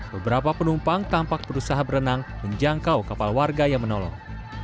beberapa penumpang tampak berusaha berenang menjangkau kapal warga yang menolong